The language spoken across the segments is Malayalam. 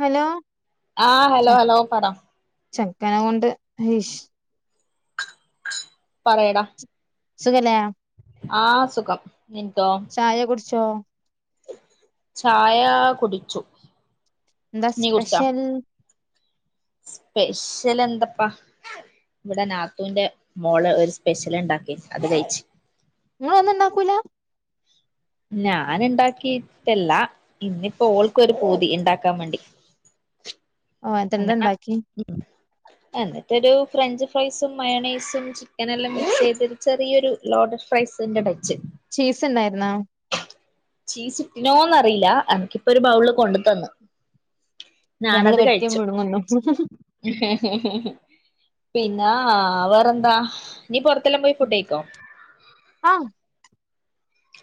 ഹലോ ആഹ ഹലോ ഹലോ പറ ചക്കന കൊണ്ട് ഹീഷ പറയടാ സുഖലേ ആഹ് സുഖം. നിൻക്കോ ച്ചോ ചായ കുടിച്ചു ന്ത നീ കുടിച്ചാ സ്പെഷൽ സ്പെഷ്യൽ എന്തപ്പാ ഇവടെ നാത്തൂന്റെ മോള് ഒര് സ്പെഷ്യലണ്ടാക്കിന്നു അത് കയ്ച്ച്. ങ്ങളൊന്നുണ്ടാക്കൂല. ഞാന് ണ്ടാക്കിറ്റല്ല ഇന്നിപ്പോ ഓൾക്കൊരു പൂതി ഇണ്ടാക്കാം വാണ്ടി ഓ എന്ട്ടെന്താ ണ്ടാക്കി എന്ന്ട്ടൊരു ഫ്രഞ്ച് ഫ്രൈസും മയോണൈസും ചിക്കനെല്ലം മിക്സ് ചെയ്തൊരു ചെറിയൊരു ലോഡഡ് ഫ്രൈസ് സ്ന്റെ ടച്ച് ചീസ് ഇണ്ടായിര്ന്നോ ചീസ്ട്ടിനോന്നറീല എനക്കിപ്പൊര് ബൗള് കൊണ്ട് തന്ന് ഞമ്മള് ഞാനത് വെട്ടി കഴിച്ചു മുഴുങ്ങുന്നു പിന്നാ വേറന്താ നീ പൊറത്തെല്ലം പോയി ഫുഡ്ഡയ്ക്കോ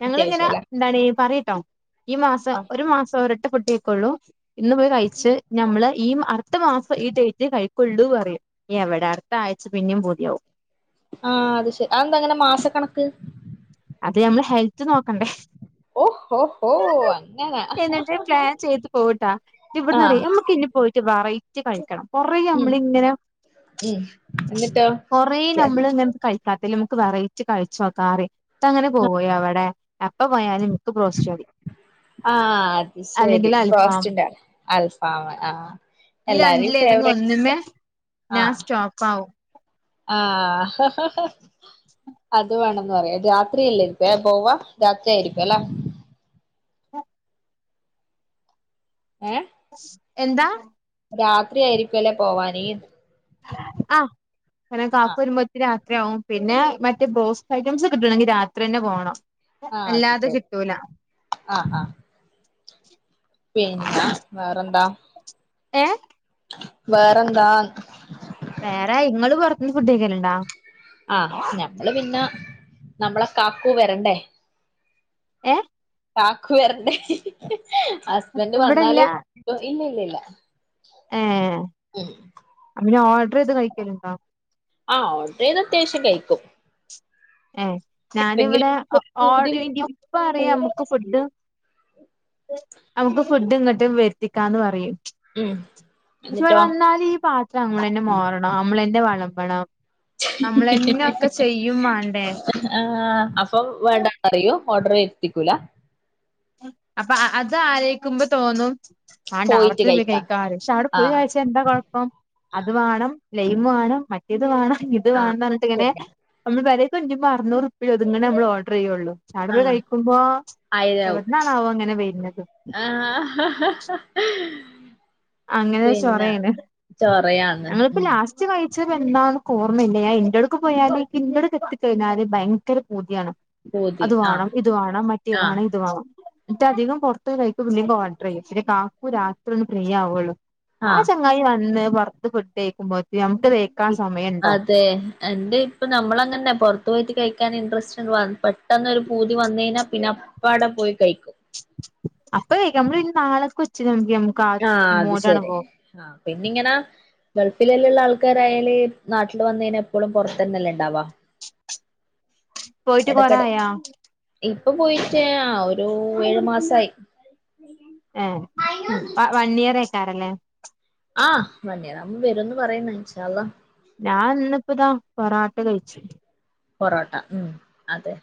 ഞങ്ങള് ങ്ങനെ എന്താണ് പറയീട്ടോ ഈ മാസം ആഹ് ഒര് മാസം ഒരെട്ടം ഫുഡ്ഡയ്ക്കൊള്ളൂ ഇന്ന് പോയി കയ്ച്ച് ഞമ്ള് ഈ അറ്ത്ത മാസം ഈ ഡേറ്റ് കഴിക്കൊള്ളൂ പറയും. എവടെ അടുത്ത ആഴ്ച്ച പിന്നീം പൂത്യാവും. ആഹ് അത് ശെ അതെന്താങ്ങനെ മാസക്കണക്ക് അത് നമ്മളെ ഹെൽത്ത് നോക്കണ്ടേ ഓഹോ ഹോ ഹോ അങ്ങനെ എന്ന്ട്ട് പ്ലാൻ ചെയ്ത് പോവുട്ടാ ഇവ്ട്ന്നറീം ആഹ് നമ്മക്ക്ഞ്ഞും പോയിറ്റ് വറൈ റ്റി കഴിക്കണം കൊറേ ഉം നമ്മളിങ്ങനെ ഉം എന്നിട്ടോ കൊറേ നമ്മളിങ്ങനെ കഴി താത്ത നമ്മക്ക് വെറൈറ്റി കഴിച്ചോക്കാറീം ന്നട്ടങ്ങനെ പോവും എവടെ എപ്പ പോയാ ഇനിക്ക് ബ്രോസ്റ്റ് മതി ആഹ് അത് ശെരി അല്ലെങ്കിൽ അൽഫാം ബ്രോസ്റ്റിന്റെ ആളാ അൽഫാമ് ആഹ് ഈ എല്ലാരേം രണ്ടിലേതെങ്കിലും ഫേവറേറ്റ് ആണ് ഒന്ന്മ്മെ ഞാൻ ആഹ് സ്റ്റോപ്പാവും. ആഹ് അത് വേണം ന്ന് പറയാ രാത്രിയല്ലേരിക്ക പോവാ രാത്രിയായിരിക്കുല്ലേ ഏ എന്താ രാത്രി ആയിരിക്കും അല്ലേ പോവാന് ആഹ് കരണം ആഹ് കാക്കുവര്മ്പത്തിന് ആ രാത്രി ആവും പിന്നെ മറ്റേ ബ്രോസ്റ്റ് ഐറ്റംസ് ക്ട്ടണെങ്കി രാത്രിന്നെ പോണം. ആഹ് അത് അല്ലാതെ ശരി കിട്ടൂല ആഹ് ആഹ് പിന്നെ വേറെന്താ ഏ വേറെന്താന്ന് ങ്ങള് ഫുഡ്ഡയ്ക്കല്ണ്ടാ? ആഹ് ഞമ്മള് പിന്നെ നമ്മളെ കാക്കൂ വരണ്ടേ ഏ കാക്കു വരണ്ടേ. ഹസ്ബന്റ് ഇവിടെല്ല വന്നാലേ പോകാൻ പറ്റൂ ഇല്ല ല്ല ല്ല ഏ ആ പിന്നെ ഓഡ്ർ ചെയ്ത് കഴിക്കല്ണ്ടോ ആഹ് ഓഡർ ചെയ്ത് അത്യാവശ്യം കഴിക്കും ഏ എപ്പെങ്കിലും ഞാനിവിടെ പൂതി ഓഡർ ഇപ്പ വരുമ്പോ അറിയാം നമ്മക്ക് ഫുഡ് നമ്മക്ക് ഫുഡ് ഇങ്ങട്ടും വരുത്തിക്കാന്ന് പറയും ഉം പക്ഷെ എന്നിട്ടോ വന്നാല് ഈ പാത്രം നമ്മളെന്നെ മോറണം. നമ്മളെന്നെ വളമ്പണം. വേണ്ടേ ആഹ് അപ്പൊ വേണ്ടാന്നറയും. ഓഡറ് വരുത്തിക്കൂല അപ്പ അ അത് ആലോയിക്കുമ്പ തോന്നും ആണ്ടാവടത്തിന് പോയി കഴിക്കാ അറയു ക്ഷെ അവിടെ പോയി ആഹ് കഴിച്ച എന്താ കുഴപ്പം അത് ആഹ് വാണം ലൈമ് വാണം മറ്റേത് വാണം ഇത് വാണംന്നറഞ്ഞിട്ടിങ്ങനെ ആഹ് നമ്മള് പെരേ തുഞ്ഞിപ്പറുന്നൂറുപ്പ്യോ ഇതിങ്ങനെ അമ്മളോഡറെയ്യൊള്ളൂ ചാവടെ പോയി ആഹ് കഴിക്കുമ്പോ ആയിരാവും എന്താവോ ഇങ്ങനെ വര്ണ് ആഹ് അങ്ങനെ പിന്നെ ചൊറേണ് ചൊറയാന്ന് ഞങ്ങളിപ്പ ഉം ലാസ്റ്റ് കഴി ച്ചതെന്താന്ന്ക്കോർമ്മയില്ല ഞാ എൻ്റടുക്ക് പോയാലിൻ്റടുക്കെത്തി കഴിഞ്ഞാല് ഭയങ്കര പൂതിയാണ് പൂതി അത് വാണം ആഹ് ഇത് വാണം മറ്റേ ആഹ് വാണം ഇത് വാണം ഇറ്റധികം പൊറത്തോയി കഴിക്കും പിന്നിം പോവാൻ ട്രൈയും പിന്നെ കാക്കു രാത്രി ഒന്ന് ഫ്രീ ആവുഒള്ളൂ ആ ആഹ് ചങ്ങായി വന്ന് പൊറത്ത് ഫുഡ് കഴിക്കുമ്പോത്തിനും അതേ എന്റെ ഇപ്പൊ നമ്മളങ്ങന്നെ പൊറത്ത് പോയിട്ട് കഴിക് ക്കാനിൻട്രസ്റ്റ് വന്ന് പെട്ടെന്നൊരു പൂതി വന്നയിഞ്ഞാ പിന്നെ അപ്പാടെ പോയി കഴിക് അപ്പ കഴിക്കും നമ്മള് പിൻ നാളക്ക് വച്ച്ങ്ങാണ്ട് ആഹ് അത് ശരി ആഹ് പിന്നിങ്ങന് ഗൾഫ് ഫിലെല്ല്ള്ള ആൾക്കാരായാല് നാട്ടില് വന്നയിന എപ്പളും പൊറത്തന്നല്ലെണ്ടാവാ പോയിട്ട് എടക്കെടെ കൊറായാ ഇപ്പ പോയിറ്റ് ആഹ് ആ ഒരു ഏഴു മാസയായി ഏഹ് വ വണ്ണിയിർറേക്കാരല്ലേ ആഹ് വണ്ണിയറാവുമ്പം വരുന്ന് പറയുന്ന് ഇൻശാ അല്ലാഹ് ഞാൻ ഇന്നിപ്പിതാ പറാട്ട കഴിച്ച് പൊറോട്ട ഉം അതെ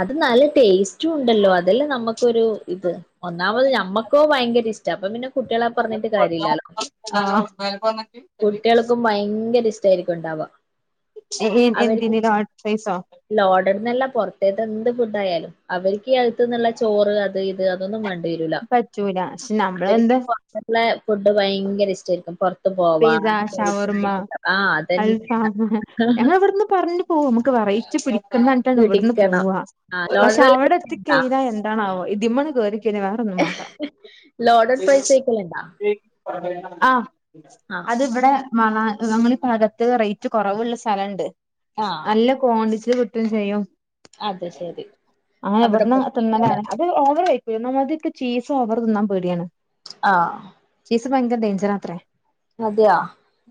അത് നല്ല ടേസ്റ്റ് റ്റൂ ഉണ്ടല്ലോ അതല്ലെ നമ്മക്കൊരു ഇത് ഒന്നാമത് ഞമ്മക്കോ ഭയങ്കരിഷ്ടം അപ്പം പിന്നെ കുട്ടികളെ പറഞ്ഞിട്ട് കാര്യല്ലാലോ കുട്ടികള്ക്കും ഭയങ്കരിഷ്ടായിരിക്കും ഉണ്ടാവ്വാ അവര്ക്ക് എന്തിന് ലോഡ്ഫ്രൈസോ ലോഡഡ്ന്നെല്ലാ പൊറത്ത് തെന്ത് ഫുഡ് ആയാലും അവരിക്കീ അകത്ത്ന്നുള്ള ചോറ് അത് ഇത് അതൊന്നും വേണ്ട ണ്ടിയരൂല പറ്റൂല പക്ഷെ ഇവര്ക്കീ നമ്മളെന്താ പൊറത്ത്ന്ന്ള്ള ഫുഡ് ഭയങ്കര ഇഷ്ടായിരിക്കും പൊറത്ത് പീസ്സാ ഷവർമ്മ അതന്നെ അൽഫാമ് ഞങ്ങൾ ഇവിടെന്ന് പറഞ്ഞു പോവും നമ്മക്ക് വെറൈറ്റി പിടി ക്കന്നാണ് ട്ടാണ് ഇവിടന്ന് പോവ പിടിക്കണം ആ പക്ഷെ ലോഡഡ് അവടെത്തി ഉണ്ടാ കഴിഞ്ഞാ എന്താണാവോ ഇതിമ്മണ് കേറി ക്കൈഞ്ഞാ വേറൊന്നും വാേണ്ട ലോഡഡ് ഫ്രൈസ് കഴിക്കലുണ്ടാ ആഹ് ആ അതിവടെ മണാ നമ്മളീ ഭാഗത്ത് റെയ്റ്റ് കൊറവ്ള്ള സ്ഥലണ്ട് ആ നല്ല കോണ്ടിച്ചില് കിട്ടും ചെയ്യും അത് ശരി അങ്ങനെ അവിടെ ഇവടന്ന് പോയി തിന്നലാണ് അത് ഓവർ വെയ് പി ഒന്നാമതെക്ക് ചീസോവറ് തിന്നാൻ പേടിയാണ് ആഹ് സ് ഭയങ്കര ഡെയ്ഞ്ചറാത്രേ അതെയാ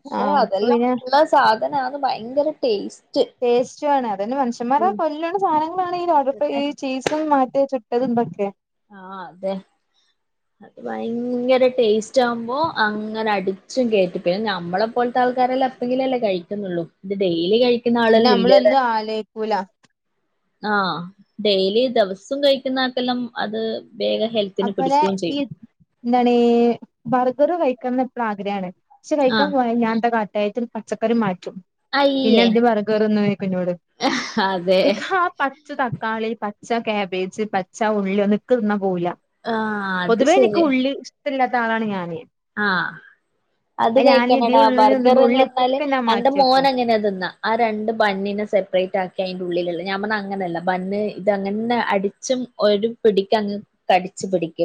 ക്ഷേ അതെല്ലാം പിന്നെ ഗുണ സാധനാന്ന് ഭയങ്കര ടേസ് ടേസ്റ്റുവാണ് അതന്നെ മനുഷ്യന്മാര കൊല്ല്ണ സാനങ്ങളാണ് ഈ ലോഡഡ് ഫ്രൈ അതെ ഈ ചീസും മറ്റേ ചുറ്റ് ട്ടതും ന്തൊക്കെ ആഹ് അതെ അത് ഭയങ്കര ടേസ്റ്റാവുമ്പോ അങ്ങനെ അടിച്ചും കേറ്റും പിന്നെ ഞമ്മളെപ്പോലത്ത ത്താൾക്കാരെല്ല എപ്പെങ്കിലല്ലെ കഴിക്കുന്നുള്ളൂ ഇത് ഡെയിലി കഴിക് പിന്നെ നമ്മളൊന്നു ആലോയിക്കൂല ആഹ് ഡെയിലി ദെവസും കഴിക്കുന്നാക്കെല്ലം അത് വേഗം ഹെൽത്തിന് അപ്പലേ പിടിക്കുകയും ഈ ചെയ്യും എന്താണീ ബർഗറ് കഴിക്കണമെന്ന് എപ്പിഴും ആഗ്രഹമാണ് പക്ഷെ കഴിക്കാൻ ആഹ് പോയാ ഞാൻന്താ കാട്ടാ അയിത്തെണ്ട് പച്ചക്കറി മാ പിന്നെ അയ്യേ എന്ത് ബർഗറ്ന്നോയ്ക്കും ഇന്നോട് അതെ ആ പച്ച തക്കാളി പച്ച കാബേജ് പച്ച ഉള്ളി ഇനക്ക് തിന്നാ പോവൂല ആഹ് അത് പൊതുവേ എനിക്ക് ഉള്ളി ഇഷ്ട ഇല്ലാത്ത ആളാണ് ഞാന്. ആ. അത് ഞാന് ഇതീ കഴിക്കണടാ ഉള്ളി ബർഗർ തിന്നുമ്പോ എന്ന് പറഞ്ഞാല് ഉള്ളിയൊക്കെ ഞാൻ എന്റെ മാറ്റി വെക്കും മോന് അങ്ങനെതിന്നാ. ആ രണ്ട് ബൺ നെ സെപ്പറേറ്റ് ആക്കി അയിന്റെ ഉള്ളിലുള്ള ഞാൻ പറ അങ്ങനല്ല ബൺ ഇതങ്ങനെ അടിച്ചു ഒരു പിടിക്കങ്ങ് കടി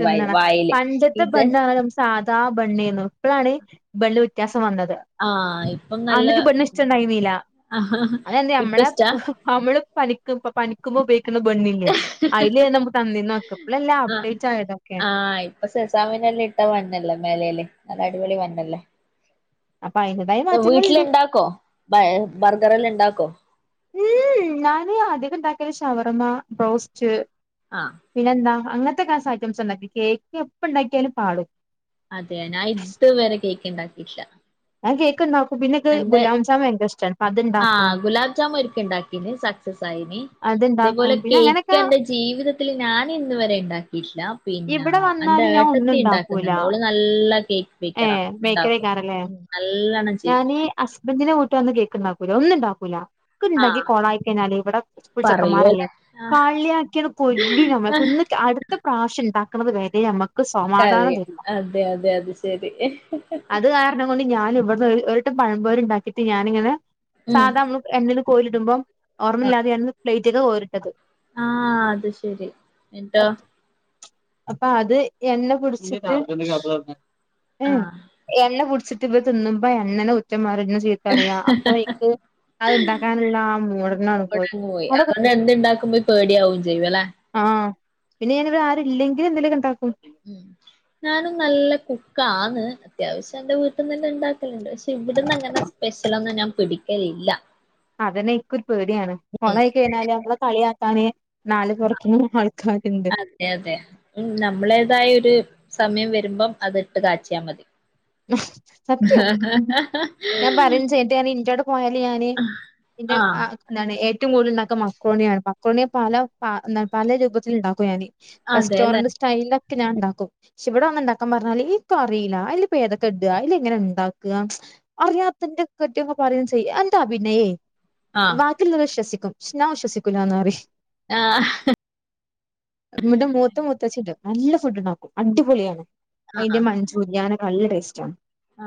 തിന്നണം പണ്ടത്തെ ബണ്ണ സാധാ ബണ്ണേനു ഇപ്പഴാണ് ബൺ വ്യത്യാസ വന്നത് ആഹ് ഇപ്പം നല്ല അന്നക്ക ബൺ ഇഷ്ടംണ്ടായിന്നീല. അതന്ത് ഇപ്പ നമ്മളെ ഇഷ്ടാ നമ്മള് പനിക്കും പനിക്കുമ്പോ ഉയോഗിക്കുന്ന ബെണ്ണില്ലേ അതില് നമുക്ക് തന്നീ നോക്ക ഇപ്പ എല്ലാം അപ്ഡേറ്റ് ആയതൊക്കെ ആ ഇപ്പൊ സെസാമനല്ലാം ഇട്ട ബൺ അല്ലേ മേലയില് നല്ല അടിപൊളി ബണ്ണല്ലേ. അപ്പൊ അയിന്റേതായ വീട്ടില മാറ്റങ്ങളുണ്ട് ഇണ്ടാക്കോ ബർഗറല്ലാം ഇണ്ടാക്കോ? ഉം ഞാന് അധികം ഉണ്ടാക്കല് ഷവർമ്മ ബ്രോസ്റ്റ് ആഹ് പിന്നെ എന്താ അങ്ങനത്തെ കാസ് ഐറ്റംസ് ഉണ്ടാക്കി കേക്ക് എപ്പ ഉണ്ടാക്കിയാലും പാളും. അതെ ഞാൻ ഇതുവരെ കേക്ക് ഉണ്ടാക്കിട്ടില്ല. [unintelligible] എന്താ ഗുലാം ജാം ഭയങ്കര ഇഷ്ടാണ് അപ്പൊ ആ അത്ണ്ടാക്കും ഗുലാബ് ജാമു ഒരിക്ക ഉണ്ടാക്കിന് സക്സസ് ആയിന്. ഇതേപോലെ അത്ണ്ടാക്കും പിന്നെ കേക്ക് അങ്ങനെയൊക്കെ എന്റെ ജീവിതത്തിൽ ഞാൻ ഇന്ന് വരെ ഉണ്ടാക്കിയിട്ടില്ല. പിന്നെ ഇവിടെ എന്ത വന്നാല് ഞാൻ ഒന്നും ഏട്ടത്തി ഉണ്ടാക്കുന്നുണ്ട് ഉണ്ടാക്കൂല അവള് നല്ല ല്ല കേക്ക് ബേക്കേറ ഏഹ് ഉണ്ടാക്കും നല്ലണം ചെയ്യും. ഹസ്ബന്റനെ കൂട്ട് വന്ന് കേക്കണ്ടാക്കൂല ഒന്നും ഉണ്ടാക്കൂല. ഉണ്ടാക്കി ആഹ് കോളായി കഴിഞ്ഞാല് ഇവിടെ സ്കൂൾ ചെക്കന്മാരല്ലേ പറയൂല്ലേ ആഹ് കാളിയാക്കി കൊല്ലും ഞമ്മൾ ഒന്ന് അടുത്ത പ്രാവശ്യം ഉണ്ടാക്കുന്നത് വരെ മ്മക്ക് അതെ അതെ അത് ശെരി. ഞാന് ഇവിടു ഒരുവട്ടം പഴംപൊരി ഉണ്ടാക്കിട്ട് ഞാനിങ്ങനെ ഉം സാധാ നമ്മ എണ്ണില് കോരി ഇടുമ്പോ ഓർമ്മില്ലാതെയരുന്നു പ്ലേറ്റക്കെ ഓരിട്ടത്. ആ അത് ശെരി എന്തോ? അപ്പൊ അത് എണ്ണ പിടിച്ചിട്ട് ആ. എന്നെ പിടിച്ചിട്ട ഇവര് തിന്നുമ്പോ എന്നനെ കുറ്റം പറയ ചീത്തറിയാ അപ്പൊ എനിക്ക് അത് ഉണ്ടാക്കാനുള്ള മൂഡ് തന്നെ പോയി ഇവിടങ്ങ് അതുകൊണ്ട് എന്തുണ്ടാക്കുമ്പോ പേടിയാവും ചെയ്യും അല്ലെ ആഹ് പിന്നെ ഞാനിവിടെ ആരല്ലെങ്കിലും എന്തലൊക്കെ ഉണ്ടാക്കും. ഉം ഞാനും നല്ല കുക്കാന്ന് അത്യാവശ്യം എന്റെ വീട്ടിന്നന്നെ ഉണ്ടാക്കലുണ്ട് പക്ഷെ ഇവിടന്നങ്ങനെ സ്പെഷ്യലൊന്നും ഞാൻ പിടിക്കലില്ല. അതന്നെ ഇക്ക ഒരു പേടിയാണ് ഉം കോളായി കഴിഞ്ഞാല് നമ്മളെ കളിയാക്കാന് നാല് പുറത്തുന്ന് ആൾക്കാരുണ്ട് അതെ അതെ നമ്മളേതായരു സമയം വരുമ്പം അത് ഇട്ട് കാച്ചിയാ മതി. സത്യം ഞാൻ പറയും [unintelligible] ഇന്റോടെ പോയാല് ആഹ് ഞാന് ഏറ്റവും കൂടുതൽ ഉണ്ടാക്കും മക്കരോണിയാണ് മക്കരോണിയെ പല പ പല രൂപത്തിൽ ഉണ്ടാക്കും ഞാന്. അതെല്ലേ റെസ്റ്റോറന്റ് സ്റ്റൈലൊക്കെ ഞാൻ ഉണ്ടാക്കും. പക്ഷെ ഇവിടെ ഒന്ന് ഇണ്ടാക്കാൻ പറഞ്ഞാല അറിയില്ല അതിലിപ്പോ ഏതൊക്കെ ഇടുക അതില് എങ്ങനെ ഉണ്ടാക്കുക [unintelligible] ഞാൻ ആഹ് വിശ്വസിക്കൂലാന്ന് പറയും. ആഹ് [unintelligible] നല്ല ഫുഡ് ഉണ്ടാക്കും അടിപൊളിയാണ് അതിന്റെ മഞ്ചൂരിയാന നല്ല ടേസ്റ്റ്ണ്. ആ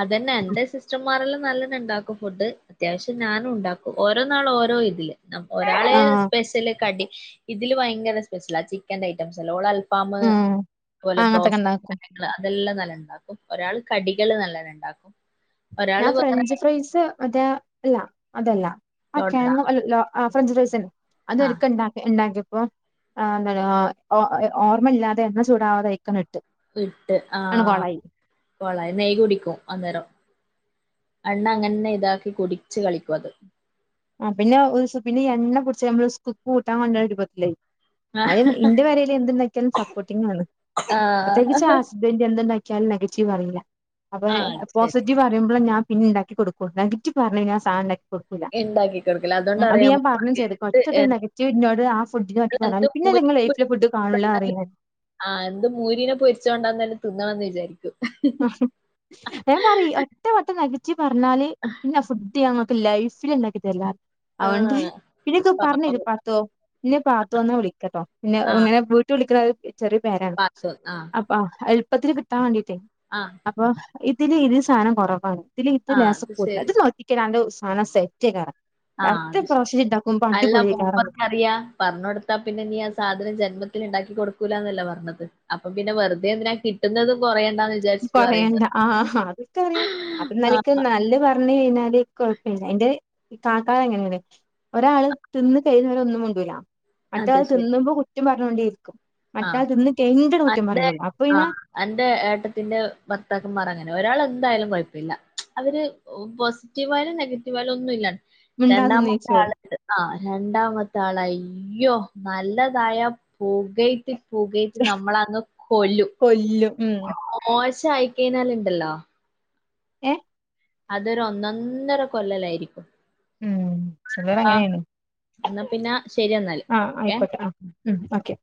അതന്നെ എന്റെ സിസ്റ്റർമാരെല്ലാം നല്ലണ് ഉണ്ടാക്കും. ഫുഡ് അത്യാവശ്യം ഞാനും ഉണ്ടാക്കും ഓരോ നാൾ ഓരോ ഇതില് ഒരാളെ ആഹ് സ്പെഷ്യല് കടി ഇതില് ഭയങ്കര സ്പെഷ്യൽ ആ ചിക്കന്റെ ഐറ്റംസ് അല്ല അൽഫാം ഉം അതുപോലെ അങ്ങനത്തൊക്കെ ഇണ്ടാക്കും. ബ്രോസ്റ്റ് കാര്യങ്ങള് അതെല്ലാം നല്ല ഉണ്ടാക്കും. ഒരാള് കടികള് നല്ലത് ഇണ്ടാക്കും. ഞാൻ ഫ്രഞ്ച് ഫ്രൈസ് അതേ അല്ല അതല്ല ആ ലോഡഡാ ആ ഫ്രഞ്ച് ഫ്രൈസ് തന്നെ ആ അത്ക്ക്ണ്ട ഉണ്ടാക്കി. അപ്പ എന്ത ഓർമ്മയില്ലാതെ എണ്ണ ചൂടാവാതായി. വിട്ട് ആഹ് പോള നെയ് കുടിക്കും. അന്നേരം. എണ്ണ അങ്ങനന്നെ ഇതാക്കി കുടിച്ചു കളിക്കും അത്. ആ പിന്നെ ഒരുസം പിന്ന എണ്ണ പൊടിച്ച നമ്മ കുക്ക് കൂട്ടാൻ കൊണ്ടപത്തില്ലേ. ആ അരും ഇന്റെ വരൽ എന്ണ്ടാക്കിയാലും സപ്പോർട്ടിംഗ ആണ് ആ പ്രത്യേകിച്ച് ആ ഹസ്ബൻഡ് എന്ണ്ടാക്ക നെഗറ്റീവ് അറിയില്ല അപ്പ ആ അത് ശരി പോസിറ്റീവ് അറിയുമ്പോൾ ഞാൻ പിന്നെണ്ടാക്കി കൊടുക്കൂ നെഗറ്റീവ് പറഞ്ഞു കിഞ്ഞാൽ സാധനം ഉണ്ടാക്കികൊടുക്കൂല ഉണ്ടാക്കി കൊടുക്കല അതുകൊണ്ട് അ ഞൻ അറിയാമോ പറഞ്ഞ ചെയ്ത് എന്ത് കൊറച്ചൂ എന്ത് നെഗറ്റീവ്നോട് ആ ഫുഡിനറ്റി എന്ത് പറഞ്ഞാല് പിന്നെ നി മൂരിനെ ലൈഫ ഫുഡ് കാണ പൊരിച്ചോണ്ടാലും അറിയ ആ എന്ത് മൂരിനെ പൊരിച്ചോണ്ടന്ന്ല്ലെ തിുന്നണണംന്ന് വിചാരിക്കും ഞാൻ പറ ഒറ്റ വട്ടം നെഗറ്റീവ് പറഞ്ഞാല് പിന്നെ ഫുഡ് ഞൻ ഇങ്ങക്ക് ലൈഫില് ഉണ്ടാക്കി തരില്ല അതോണ്ട് ആ പിന്നൊക്കെ പറഞ്ഞത പാവം പാത്തോ പിന്നെ പാത്തോ എന്നാ വിളിക്കട്ടോ പിന്നെ ആ ഇങ്ങനെ വീട്ട് വിളിക്കണ ചെറിയ പേരാണ് പാത്തു ആ അപ്പ എളുപ്പത്തിന് കിട്ടാൻ വേണ്ടീട്ടേ ആ അപ്പൊ ഇതില് ഇത് സാധനംകൂറവാണ് ഇതില് ഇത് ആ ലേസം അത് കൂട ശരി ഇത് നോക്കിക്കേ അന്റെ സധനം സെറ്റ് ആയിക്കാരം ആ ഡത്ത അത് പ ശരി [unintelligible] അല്ല മൂപ്പർക്കറിയ പറഞ്ഞഞ് കൊടുത്താ പിന്നെ നീ ആ സാധനം ജന്മത്തി ഉണ്ടാക്കി കൊടുക്കൂന്നല്ല പറഞ്ഞത് അപ്പ പിന്നെ വെറുതെ എന്തിനാ കിട്ടുന്നതും കുറ കൊറയണ്ട ആ അതൊക്കെ അറിയാം അപ്പ ആഹ് നിലക്ക് നല്ല പറഞ്ഞഞ് കഴിഞ്ഞാൽ കൊഴപ്പമില്ല എന്റെ കാകാര് അങ്ങനെണ് ഒരാള് തിന്ന് കഴിയുന്നവരെ ഒന്നും മുണ്ടൂല്ല മറ്റേ ആൾ തിന്നുമ്പോ കുറ്റം പറഞ്ഞോണ്ടി ആഹ അന്റെ പറയുള്ളൂ അപ്പൊ ആ പിന്നെ അന്റെ ഏട്ടത്തിന്റെ ഭർത്താക്കന്മാർ അങ്ങനെ ഒരാൾ എന്തായാലും കുഴപ്പല്ല അവര് പോസിറ്റീവായാലും നെഗറ്റീവായാലും ഒന്നും ഇല്ല. മിണ്ടാതെ നിന്ന് രണ്ടാമത്തെ ചോദിച്ചോളും ആള് ആ രണ്ടാമത്തെ ആളായി യ്യോ നല്ലതായ പോകെ പുക് നമ്മളങ് കൊല്ലും കൊല്ലും ഉം [unintelligible] ചായിക്കനാലണ്ടല്ലോ. ഏ അതൊരു ഒന്നൊന്നര കൊല്ലലായിരിക്കും ഉം ചിലർ ആ അങ്ങനെയാണ്. എന്നാ പിന്നെ ശരിയന്നാല് ആഹ് ഓക്കെ ആയിക്കോട്ടെ ആഹ് ഉം ഓക്കെ